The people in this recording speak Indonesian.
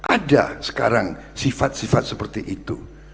ada sekarang sifat sifat seperti itu